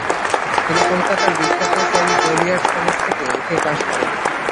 তিনি কলকাতার বিখ্যাত সেন্ট জোভিয়ার্স কলেজ থেকে এফ.এ. পাশ করেন।